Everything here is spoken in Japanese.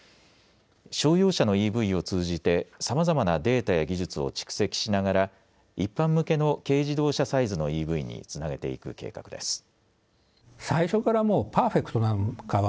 商用車のＥＶを通じてさまざまなデータや技術を蓄積しながら一般向けの軽自動車サイズのＥＶにつなげていく計画です。